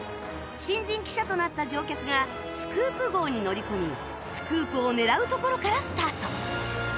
新人記者となった乗客がスクープ号に乗り込みスクープを狙うところからスタート